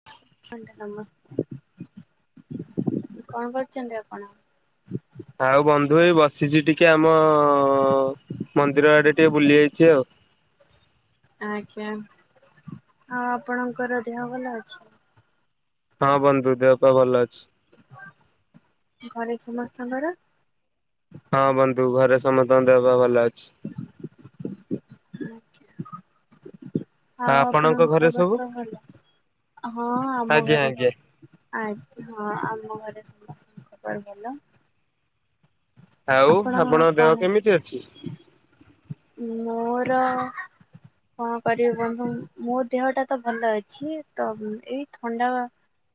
[inaudible] ନମସ୍କାର କଣ କରୁଛନ୍ତି ଆପଣ। ଆଉ ବନ୍ଧୁ ଏଇ ବସିଛି ଟିକେ ଆମ ମନ୍ଦିର ଆଡେ ଟିକେ ବୁଲି ଆଇଛି ଆଉ। ଆଜ୍ଞା ଆଉ ଆପଣଙ୍କର ଦେହ ବାଲା ଅଛି। ହଁ ବନ୍ଧୁ ଦେହ ପା ଭଲ ଅଛି। ଘରେ ସମସ୍ତଙ୍କର। ହଁ ବନ୍ଧୁ ଘରେ ସମସ୍ତଙ୍କ ଦେହବା ଭଲ ଅଛି। ଆଉ ଆପଣଙ୍କ ଖବର ସବୁ ଭଲ ହଁ ଆମ ଆଜ୍ଞା ଘରେ ଆଜ୍ଞା ଭଲ। ଆ ହଁ ଆମ ଘରେ ସମସ୍ତ ଖବର ଭଲ। ଆଉ ଆପଣ ଆପଣଙ୍କ କଣ? ଦେହ କେମିତି ଅଛି। ମୋର କଣ କରିବି ବନ୍ଧୁ ମୋ ଦେହ ଟା ତ ଭଲ ଅଛି ତ ଏଇ ଥଣ୍ଡା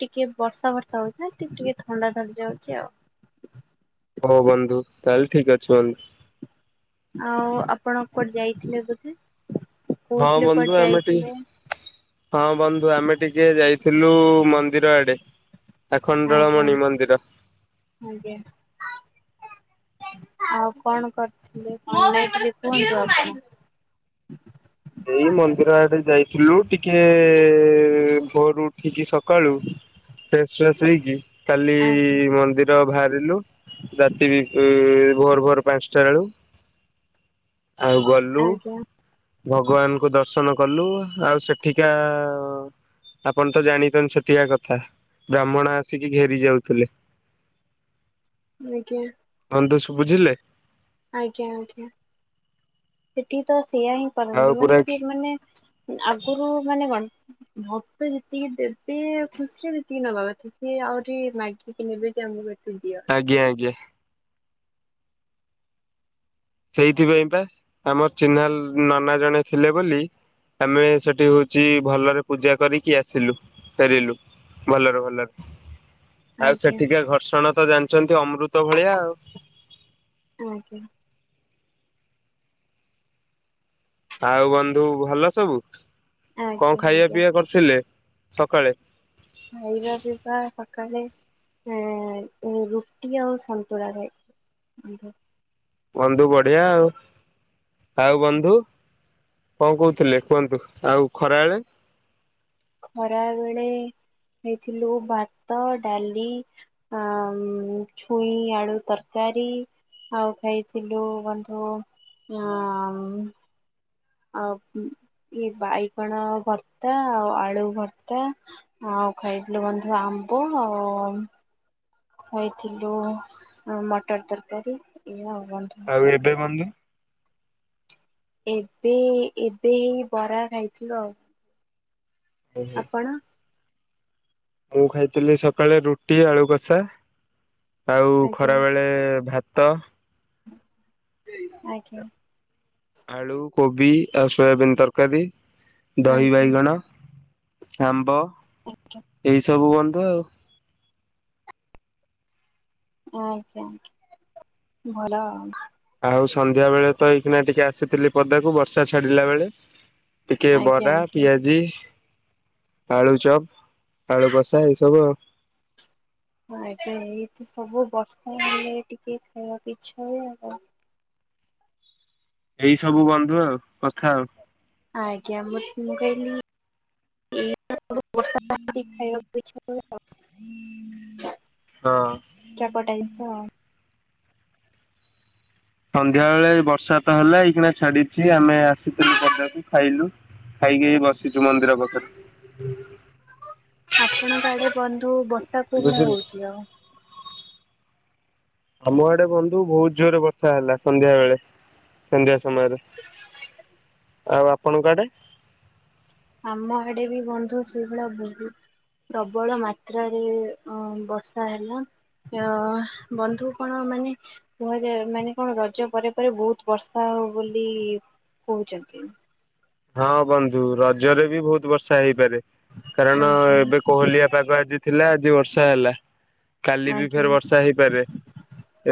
ଟିକେ ବର୍ଷା ବର୍ଷା ହଉଛି ଏ ଟିକେ ଥଣ୍ଡା ଧରି ଯାଉଛି ଆଉ। ହଉ ବନ୍ଧୁ ତାହେଲେ ଠିକ ଅଛି ବନ୍ଧୁ। ଆଉ ଆପଣ କୁଆଡେ ଯାଇଥିଲେ ବୋଧେ ହଁ କହୁଥିଲେ ବନ୍ଧୁ କୁଆଡେ ଆମେ ଯାଇଥିଲେ। ଟିକେ ହଁ ବନ୍ଧୁ ଆମେ ଟିକେ ଯାଇଥିଲୁ ମନ୍ଦିର ଆଡେ। ଆଜ୍ଞା ଆଖଣ୍ଡଳମଣି ମନ୍ଦିର। ଆଜ୍ଞା। ଆଉ କଣ କରିଥିଲେ ଟିକେ କୁହନ୍ତୁ। [unintelligible] ଏଇ ମନ୍ଦିର ଆଡେ ଯାଇଥିଲୁ ଟିକେ ଆଜ୍ଞା ଭୋରୁ ଉଠିକି ସକାଳୁ। ଫ୍ରେସ ଫ୍ରେସ ହେଇକି କାଲି ଆଜ୍ଞା ମନ୍ଦି ବାହାରିଲୁ ରାତି ବି ଭୋର ଭୋର ପାଞ୍ଚଟା ବେଳୁ। ଆଉ ଗଲୁ। ଭଗବାନଙ୍କୁ ଦର୍ଶନ କଲୁ ଆଉ ସେଠିକା ଆପଣ ତ ଜାଣିଛନ୍ତି ସେଠିକା କଥା ବ୍ରାହ୍ମଣ ଆସିକି ଘେରି ଯାଉଥିଲେ। ଆଜ୍ଞା। ବନ୍ଧୁ ବୁଝିଲେ। ଆଜ୍ଞା ଆଜ୍ଞା ସେଠି ତ ସେଆ ହିଁ ଆଉ କରନ୍ତି ମାନେ ପୁରା ସିଏ ମାନେ ଆଗରୁ ମାନେ କଣ। ମତେ ଯେତିକି ଦେବେ ଖୁସି ଯେତିକି ନବା କଥା ସେ ଆହୁରି ମାଗିକି ନେବେ ଯେ ଆମକୁ ଏତେ। ଦିଅ। ଆଜ୍ଞା ଆଜ୍ଞା। ସେଇଥିପାଇଁ ବା ଆମର ଚିନ୍ହା ନନା ଜଣେ ଥିଲେ ବୋଲି। ଆମେ ସେଠି ହଉଛି ଭଲରେ ପୂଜା କରିକି ଆସିଲୁ ଫେରିଲୁ। ଭଲରେ ଭଲରେ ଆଉ ଆଜ୍ଞା ସେଠିକା ଘର୍ଷଣ ତ ଜାଣିଛନ୍ତି ଅମୃତ ଭଳିଆ ଆଉ। ଆଜ୍ଞା। ଆଉ ବନ୍ଧୁ ଭଲ ସବୁ କଣ ଆଜ୍ଞା ଖାଇବା ଆଜ୍ଞା। ପିଇବା କରିଥିଲେ ସକାଳେ। ଖାଇବା ପିଇବା ସକାଳେ ଏ ରୁଟି ଆଉ ସନ୍ତୁଳା ଖାଇଥିଲି। ବନ୍ଧୁ। ବନ୍ଧୁ ବଢିଆ ଆଉ। ଆଉ ବନ୍ଧୁ କଣ କହୁଥିଲେ କୁହନ୍ତୁ ଆଉ ଖରାବେେଳେ। ଖରା ବେଳେ ଖାଇଥିଲୁ ଭାତ, ଡାଲି। ଆ ଛୁଇଁ ଆଳୁ ତରକାରୀ। ଆଉ ଖାଇଥିଲୁ ବନ୍ଧୁ ଆଁ। ଆଉ ଇଏ ବାଇଗଣ ଭର୍ତ୍ତା ଆଉ ଆଳୁ ଭର୍ତ୍ତା। ଆଉ ଖାଇଥିଲୁ ବନ୍ଧୁ ଆମ୍ବ। ଖାଇଥିଲୁ ମଟର ତରକାରୀ ଏଇଆ ଆଉ ବନ୍ଧୁ। ଆଉ ଏବେ ବନ୍ଧୁ। ଏବେ ଏବେ ଏଇ ବରା ଖାଇଥିଲୁ ଆଉ। ଆପଣ। ମୁଁ ଖାଇଥିଲି ସକାଳେ ରୁଟି ଆଳୁ କଷା। ଆଉ ଖରା ଆଜ୍ଞା ବେଳେ ଭାତ। ଆଜ୍ଞା। ଆଳୁ କୋବି ଆଉ ସୋୟାବିନ୍ ତରକାରୀ, ଦହି ଆଜ୍ଞା ବାଇଗଣ। ଆମ୍ବ ଆଜ୍ଞା ଏଇସବୁ ବନ୍ଧୁ ଆଉ। ଆଜ୍ଞା ଆଜ୍ଞା ଭଲ। ଆଉ ସନ୍ଧ୍ୟା ବେଳେ ତ ଏଇକିନା ଟିକେ ଆସିଥିଲି ପଦାକୁ ବର୍ଷା ଛାଡିଲା ବେଳେ। ଟିକେ ଆଜ୍ଞା ବରା, ଆଜ୍ଞା ପିଆଜି। ଆଳୁ ଚପ୍, ଆଳୁ କଷା ଏଇ ସବୁ ଆଉ। ଆ ଏଇତ ସବୁ ବର୍ଷା ହେଲେ ଟିକେ ଖାଇବାକୁ ଇଚ୍ଛା ହୁଏ ଆଉ। ଏଇ ସବୁ ବନ୍ଧୁ ଆଉ କଥା ଆଉ। ଆଜ୍ଞ ଆ ମୁଁ କହିଲି। ଏ ସବୁ ତ ବର୍ଷା ପାଗକୁ ଖାଇବାକୁ ଇଚ୍ଛା ହୁଏ ଆଉ। ହଁ ଚପଟା ଜିନିଷ ଆଉ ସନ୍ଧ୍ୟା ବେଳେ ବର୍ଷା ତ ହେଲା ଏଇଖିଣା ଛାଡିଛି ଆମେ ଆସିଥିଲୁ ପଦାକୁ ଖାଇଲୁ ଖାଇକି ବସିଛୁ ମନ୍ଦିର ପାଖରେ ଆପଣଙ୍କ ଆଡେ ବନ୍ଧୁ ବର୍ଷା କଉ ଭଳିଆ ବୁଝିଲୁ। ହଉଛି ଆଉ ଆମ ଆଡେ ବନ୍ଧୁ ବହୁତ ଜୋରରେ ବର୍ଷା ହେଲା ସନ୍ଧ୍ୟା ବେଳେ ସନ୍ଧ୍ୟା ସମୟରେ ଆଉ ଆପଣଙ୍କ ଆଡେ ଆମ ଆଡେ ବି ବନ୍ଧୁ ସେଇଭଳିଆ ବହୁତ ପ୍ରବଳ ମାତ୍ରାରେ ଅ ବର୍ଷା ହେଲା ଅ ବନ୍ଧୁ କଣ ମାନେ କୁହାଯାଏ ମାନେ କଣ ରଜ ପରେ ପରେ ବହୁତ ବର୍ଷା ହଉ ବୋଲି କହୁଛନ୍ତି। ହଁ ବନ୍ଧୁ ରଜରେ ବି ବହୁତ ବର୍ଷା ହେଇପାରେ କାରଣ ଆଜ୍ଞା ଏବେ କୋହଲିଆ ପାଗ ଆଜି ଥିଲା ଆଜି ବର୍ଷା ହେଲା, କାଲି ବି ଆଜ୍ଞା ଫେରେ ବର୍ଷା ହେଇପାରେ,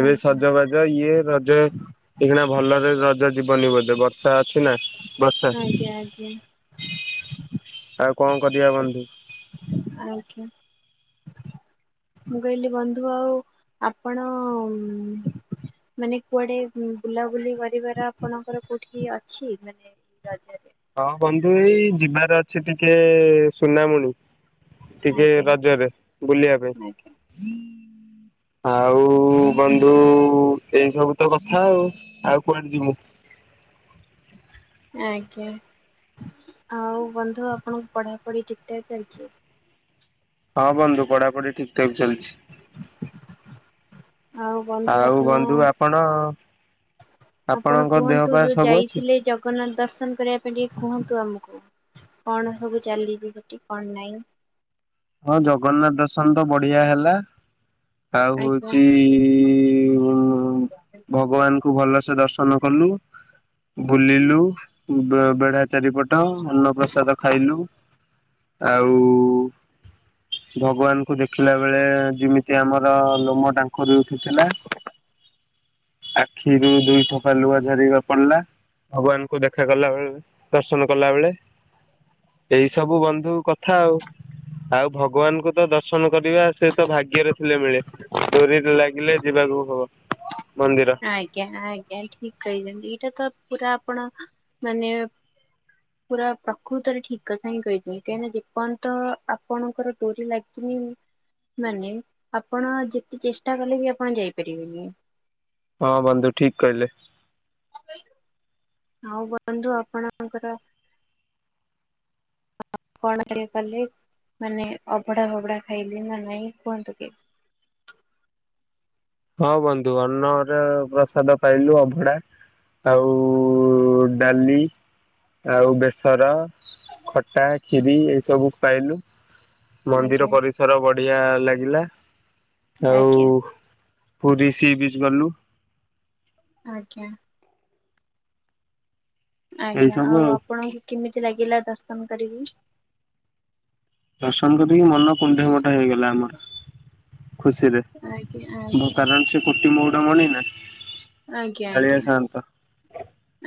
ଏବେ ଆଜ୍ଞା ସଜବାଜ ରଜ ଇଏ ରଜ ଏଇନେ ଭଲରେ ରଜ ଯିବନି ବୋଧେ ବର୍ଷା ଅଛି ନା ବର୍ଷା ଆଜ୍ଞା, ଆଜ୍ଞା। ଆଉ କଣ କରିବା ବନ୍ଧୁ? ଆଜ୍ଞା। ମୁଁ କହିଲି ବନ୍ଧୁ ଆଉ ଆପଣ ଉନ୍ ମାନେ କୁଆଡ଼େ ବୁଲାବୁଲି କରିବାର ଆପଣଙ୍କର କୋଉଠି ଅଛି ମାନେ ରଜରେ? ହଁ ବନ୍ଧୁ ଏଇ ଯିବାର ଅଛି ଟିକେ ସୁନାମୁଣି, ଟିକେ ଆଜ୍ଞା ରଜରେ ବୁଲିବା ଆଜ୍ଞା ପାଇଁ। ଆଉ ବନ୍ଧୁ ଏଇ ସବୁ ତ କଥା ଆଉ, ଆଉ କୁଆଡେ ଯିମୁ ଆଜ୍ଞା, ଆଉ ବନ୍ଧୁ ଆପଣଙ୍କ ପଢ଼ାପଢ଼ି ଠିକ୍ ଠାକ୍ ଚାଲିଛି? ହଁ ବନ୍ଧୁ ପଢ଼ାପଢ଼ି ଠିକ୍ ଠାକ୍ ଚାଲିଛି। ଆଉ ବନ୍ଧୁ ଆଉ ଆପଣ ବନ୍ଧୁ ଆପଣ ଆପଣ ଆପଣଙ୍କ ଦେହ କୁହନ୍ତୁ ପା ଯୋଉ ସବୁ ଅଛି? ଯାଇଥିଲେ ଜ ଜଗନ୍ନାଥ ଦର୍ଶନ କରିବା ପାଇଁ ଟିକେ କୁହନ୍ତୁ ଆମକୁ କଣ ସବୁ ଚାଲିଛି ସେଠି କଣ ନାଇଁ? ହଁ ଜଗନ୍ନାଥ ଦର୍ଶନ ତ ବଢ଼ିଆ ହେଲା। ଆଉ ଆଜ୍ଞା ହଉଚି ଇ ଇ ଉଁ ଉଁ ଭଗବାନଙ୍କୁ ଭଲସେ ଦର୍ଶନ କଲୁ, ବୁଲିଲୁ ବେ ବେଳା ଚାରିପଟ ଅନ୍ନ ପ୍ରସାଦ ଖାଇଲୁ ଆଉ ଭଗବାନଙ୍କୁ ଦେଖିଲା ବେଳେ ଯେମିତି ଆମର ଲୋମ ଟାଙ୍କ କରି ଉଠିଥିଲା। ଆଖିରୁ ଦୁଇ ଠୋପା ଲୁହା ଝରିକି ପଡିଲା। ଭଗବାନଙ୍କୁ ଦେଖା କଲା ବେଳେ ଦର୍ଶନ କଲା ବେଳେ ଏଇ ସବୁ ବନ୍ଧୁ କଥା ଆଉ। ଆଉ ଭଗବାନଙ୍କୁ ତ ଦର୍ଶନ କରିବା ସେ ତ ଭାଗ୍ୟରେ ଥିଲେ ମିଳେ। ଡୋରିରେ ଲାଗିଲେ ଯିବାକୁ ହବ ମନ୍ଦିର। ଆଜ୍ଞା, ଆଜ୍ଞା ଠିକ୍ କହିଛନ୍ତି ଏଇଟା ତ ପୁରା ଆପଣ ମାନେ [inaudible] ପୁରା ପ୍ରକୃତରେ ଠିକ୍ କଥା ହିଁ କହିଥିଲିନି କାହିଁକି ନା ଯେପର୍ଯ୍ୟନ୍ତ ଆପଣଙ୍କର ଡୋରି ଲାଗିନି ମାନେ ଆପଣ ଯେତେ ଚେଷ୍ଟା କଲେ ବି ଆପଣ ଯାଇପାରିବେନି। ହଁ ବନ୍ଧୁ ଠିକ୍ କହିଲେ। କଣ କହିଲୁ? ଆଉ ବନ୍ଧୁ ଆପଣ ଆପଣଙ୍କର କଣ ଟଏ କଲେ ମାନେ ଅବଡା ଫବଡା ଖାଇଲେ ନା ନାଇଁ କୁହନ୍ତୁ ଟିକେ। ହଁ ବନ୍ଧୁ ଅନ୍ନର ପ୍ରସାଦ ପାଇଲୁ ଅଭଡା। ଆଉ ଉ ଡାଲି, ଆଉ ବେସର, ଖଟା, କ୍ଷୀରି ଏଇ ସବୁ ପାଇଲୁ ମନ୍ଦିର ଆଜ୍ଞା ପରିସ ର ବଢିଆ ଲାଗିଲା ଆଜ୍ଞା ଆଉ ପୁରୀ ସି ବ୍ରିଜ୍ ଗଲୁ ଆଜ୍ଞା। ଏଇ ଆଜ୍ଞା, ସବୁ ଆଉ ଆପଣଙ୍କୁ କେମିତି ଲାଗିଲା ଦର୍ଶନ କରିକି? ଦର୍ଶନ କରିକି ମନ କୁଣ୍ଡେ ମୋଟ ହେଇଗଲା ଆମର। ଖୁସିରେ, ଆଜ୍ଞା ଆଜ୍ଞା କାରଣ ସେ କୋଟି ମଉଡ଼ ମଣି ନା। ଆଜ୍ଞା, କାଳିଆ ଆଜ୍ଞା, ସାଆନ୍ତ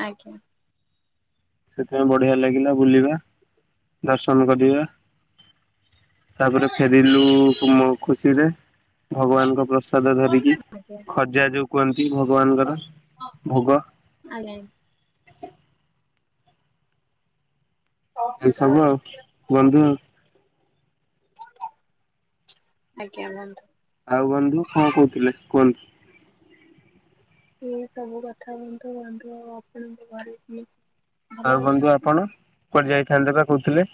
ଆଜ୍ଞା। ସେଥିପାଇଁ ବଢ଼ିଆ ଲାଗିଲା ବୁଲିବା, ଦର୍ଶନ କରିବା। ତାପରେ ଫେରିଲୁ କୁମୁ ଖୁସିରେ। ଭଗବାନଙ୍କ ପ୍ରସାଦ ଧରିକି ଖଜା ଯୋଉ କୁହନ୍ତି ଭଗବାନଙ୍କର ଭୋଗ। ଆଜ୍ଞା। ଏଇ ସବୁ ଆଉ ବନ୍ଧୁ। ଆଜ୍ଞା ବନ୍ଧୁ। ଆଉ ବନ୍ଧୁ କଣ କହୁଥିଲେ କୁହନ୍ତି? ଏଇ ସବୁ କଥା ହୁଅନ୍ତୁ ବନ୍ଧୁ ଆଉ ଆପଣଙ୍କ ଘରେ କେମି ଆଉ ବନ୍ଧୁ ଆପଣ କୁଆଡେ ଯାଇଥାନ୍ତେ ବା କହୁଥିଲେ?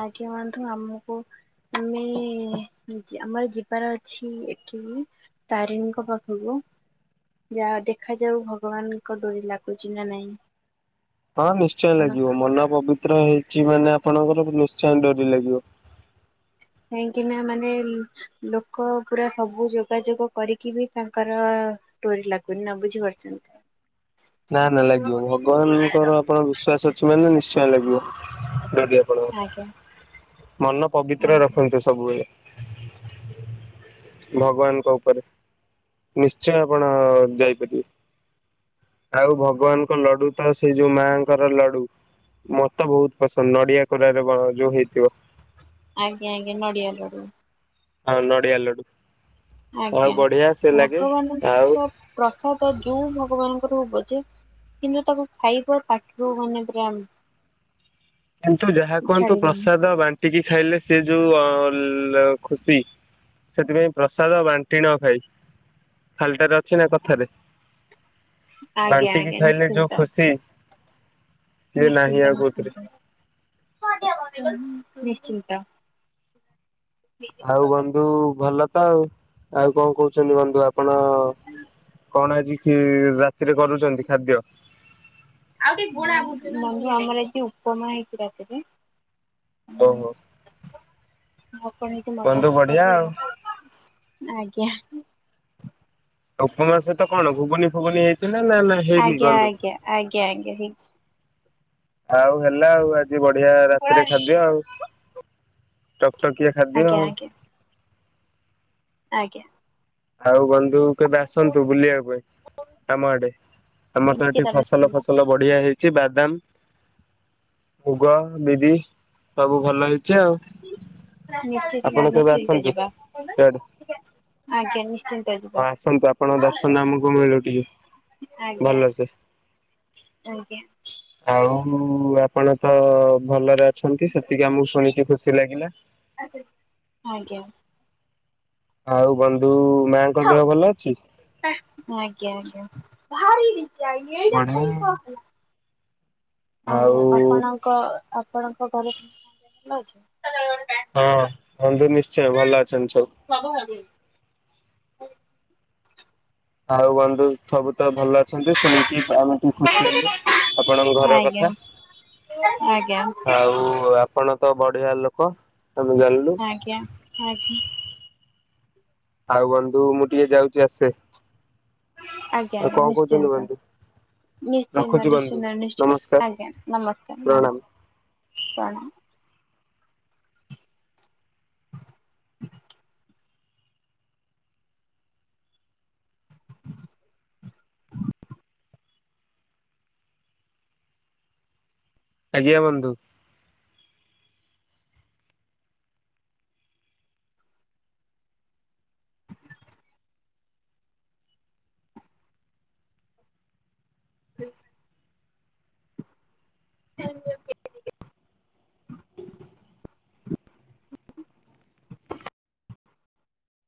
ଆଜ୍ଞା ବନ୍ଧୁ ଆମକୁ ଆମେ ଆମର ଯିବାର ଅଛି ଏଠିକି ତାରେଣୀଙ୍କ ପାଖକୁ। ଯା ଦେଖାଯାଉ ଭଗବାନଙ୍କ ଡୋରି ଲାଗୁଛି ନା ନାଇଁ? ହଁ ନିଶ୍ଚୟ ଲାଗିବ ମନ ପବିତ୍ର ହେଇଛି ମାନେ ଆପଣଙ୍କର ନିଶ୍ଚୟ ଡୋରି ଲାଗିବ। କାହିଁକିନା ମାନେ ଲୋକ ପୁରା ସବୁ ଯୋଗାଯୋଗ କରିକି ବି ତାଙ୍କର ଡୋରି ଲାଗୁନି ନା ବୁଝିପାରୁଛନ୍ତି? ନା ନା ଆଜ୍ଞା ଲାଗିବ ଭଗବାନଙ୍କର ଆପଣଙ୍କର୍ ବିଶ୍ୱାସ ଅଛି ମାନେ ନିଶ୍ଚୟ ଲାଗିବ। ଯଦିଆ ଆପଣ ଆଜ୍ଞା ମନ ପବିତ୍ର ରଖନ୍ତୁ ସବୁବେଳେ। ଭଗବାନଙ୍କ ଉପରେ ନିଶ୍ଚୟ ଆପଣ ଯାଇପାରିବେ। ଆଉ ଭଗବାନଙ୍କ ଲଡୁ ତ ସେଇ ଯୋଉ ମାଆଙ୍କର ଲଡୁ। ମତେ ବହୁତ ପସନ୍ଦ ନଡିଆ କୋରାରେ ଯୋଉ ହେଇଥିବ। ଆଜ୍ଞା ଆଜ୍ଞା ନଡିଆ ଲଡ଼ୁ। ଆଉ ନଡ଼ିଆ ଲଡୁ ଆଜ୍ଞା ଆଉ ବଢିଆ ସେ ଲାଗେ ଆଉ ଭଗବାନଙ୍କ ପ୍ରସାଦ ଯୋଉ ଭଗବାନଙ୍କର ହଉ ପଛେ କିନ୍ତୁ ତାକୁ ଖାଇବା ପାଟିରୁ ମାନେ ପୁରା କିନ୍ତୁ ଯାହା କୁହନ୍ତୁ ଛାଡିବନି। ପ୍ରସାଦ ବାଣ୍ଟିକି ଖାଇଲେ ସେ ଯୋଉ ଅ ଲୁ ଖୁସି ସେଥିପାଇଁ ପ୍ରସାଦ ବାଣ୍ଟି ନ ଖାଇ ଖାଲିଟାରେ ଅଛି ନା କଥାରେ ଆଜ୍ଞା ବାଣ୍ଟିକି ଆଜ୍ଞା ଖାଇଲେ ଯୋଉ ଖୁସି। ସିଏ ନାହିଁ ନିଶ୍ଚିତା ଆଉ କୋଉଥିରେ ନିଶ୍ଚିତ ନିଶ୍ଚିତ। ଆଉ ବନ୍ଧୁ ଭଲ ତ ଆଉ ଆଉ କଣ କହୁଛନ୍ତି ବନ୍ଧୁ ଆପଣ କଣ ଆଜି ହିଁ ରାତିରେ କରୁଛନ୍ତି ଖାଦ୍ୟ? ବନ୍ଧୁ ଆମର ଆଜି ଉପମା ହେଇଛି ରାତିରେ। ଓହୋ। ବନ୍ଧୁ ବଢିଆ ଆଉ। [unintelligible] ଆଜ୍ଞା। ଆଉ ଉପମା ସହିତ କଣ ଘୁଗୁନି ଫୁଗୁନି ହେଇଛି ନା ନା ନାଇ? ଆଜ୍ଞା ଆଜ୍ଞା ଆଜ୍ଞା ଆଜ୍ଞା ହେଇଛି। ଆଉ ହେଲା ଆଉ ଆଜି ବଢିଆ ରାତିରେ ଖାଦ୍ୟ ଆଉ। ଟକଟକିଆ ଖାଦ୍ୟ ଆଜ୍ଞା ଆଉ। ଆଜ୍ଞା ଆଜ୍ଞା। ଆଉ ବନ୍ଧୁ କେବେ ଆସନ୍ତୁ ବୁଲିବା ପାଇଁ ଆମ ଆଡେ ଆମର ନିଶ୍ଚିତ ଏଠି ଫସଲ ନିଶ୍ଚିନ୍ତ। ଫସଲ ବଢିଆ ହେଇଛି ବାଦାମ। ମୁଗ ବିରିି ସବୁ ଭଲ ହେଇଛି ଆଉ। ନିଶ୍ଚ ଆପଣ କେବେ ନିଶ୍ଚିତ ଆସନ୍ତୁ ଯିବା ଇଆଡେ ଆଜ୍ଞା। ନି ନିଶ୍ଚିତ ଯିବା ହଁ ଆସନ୍ତୁ ଆପଣଙ୍କ ଦର୍ଶନ ଆମକୁ ମିଳୁ ଟିକେ ଆଜ୍ଞା। ଭଲସେ। ଆଜ୍ଞା। ଆଉ ଆପଣ ତ ଭଲରେ ଅ ଛନ୍ତି ସେତିକି ଆମକୁ ଶୁଣିକି ଖୁସି ଲାଗିଲା। ଆସେ ଆଜ୍ଞା। ଆଉ ବନ୍ଧୁ ମାଙ୍କ ଦେହ ଭଲ ଅଛି? ଆଜ୍ଞା ଆଜ୍ଞା। ବଢିଆ ଆଉ ଆପଣଙ୍କ ଆପଣଙ୍କ ଘରେ ସମସ୍ତଙ୍କ ଦେହ ଭଲ ଅଛି? ହଁ। ବନ୍ଧୁ ନିଶ୍ଚୟ ଭଲ ଅଛନ୍ତି ସବୁ। ସବୁ ଭାବିମି [unintelligible] ଆଉ ବନ୍ଧୁ ସବୁ ତ ଭଲ ଅଛନ୍ତି ଶୁଣିକି ଆମେ ଟିକେ ଖୁସି ହେଲୁ ଆପଣଙ୍କ ଆଜ୍ଞା ଘର ଆଜ୍ଞା ଆଜ୍ଞା। କଥା। ଆଜ୍ଞା ଆଉ ଆପଣ ତ ବଢିଆ ଲୋକ ଆମେ ଜାଣିଲୁ। ଆଜ୍ଞା ଆଜ୍ଞା। ଆଉ ବନ୍ଧୁ ମୁଁ ଟିକେ ଯାଉଚି ଆସେ। ଆଜ୍ଞା ଆଉ ଆଜ୍ଞା କଣ କହୁଛନ୍ତି ନିଶ୍ଚିନ୍ତ। ବନ୍ଧୁ ନିଶ୍ଚିନ୍ତ ରଖୁଛି ବନ୍ଧୁ ନିଶ୍ଚିନ୍ତ ନିଶ୍ଚି ନମସ୍କାର ଆଜ୍ଞା ନମସ୍କାର ନମ ପ୍ରଣାମ ପ୍ରଣାମ। [inaudible] ଆଜ୍ଞା ବନ୍ଧୁ। [inaudible] [unintelligible]